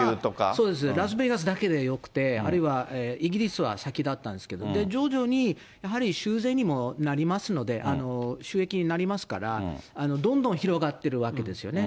そうです、ラスベガスだけでよくって、あるいはイギリスは先だったんですけど、徐々にやはりしゅうぜんにもなりますので、収益になりますから、どんどん広がってるわけですよね。